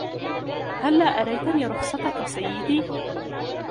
هلا أريتني رخصتك ، سيدي ؟